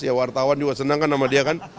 ya wartawan juga senang kan sama dia kan